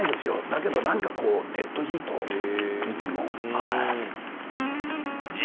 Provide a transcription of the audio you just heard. だけどなんかこうデッドヒートいつもはい。